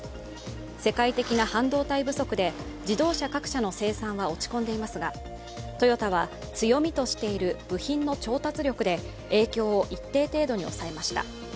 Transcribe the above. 世界的な半導体不足で自動車各社の生産は落ち込んでいますがトヨタは強みとしている部品の調達力で影響を一定程度に抑えました。